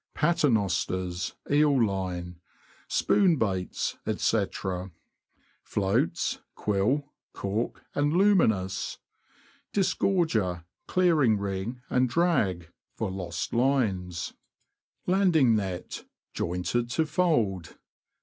Paternosters, eel line. Spoon baits, &c. Floats — quill, cork, and luminous. Disgorger, clearing ring, and drag (for lost lines). Landing net, jointed to fold.